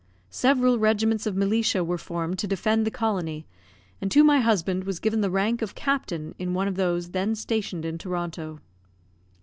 Several regiments of militia were formed to defend the colony, and to my husband was given the rank of captain in one of those then stationed in Toronto.